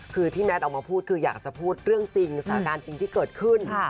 คือที่แมทออกมาพูดคืออยากจะพูดเรื่องจริงสถานการณ์จริงที่เกิดขึ้น